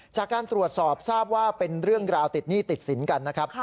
จากการตรวจสอบทราบว่าเป็นเรื่องราวติดหนี้ติดสินกันนะครับ